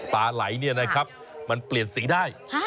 ปลาไหลเนี่ยนะครับมันเปลี่ยนสีได้